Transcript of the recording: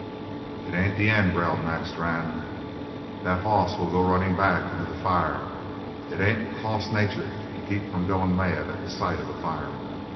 "It ain't the end," growled Mac Strann, "that hoss will go runnin' back into the fire. It ain't hoss nature to keep from goin' mad at the sight of a fire!"